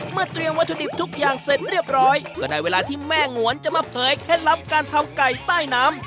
เตรียมวัตถุดิบทุกอย่างเสร็จเรียบร้อยก็ได้เวลาที่แม่งวนจะมาเผยเคล็ดลับการทำไก่ใต้น้ำ